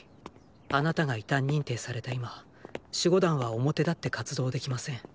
あなたが異端認定された今守護団は表立って活動できません。